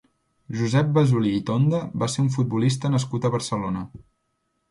Josep Besolí i Tonda va ser un futbolista nascut a Barcelona.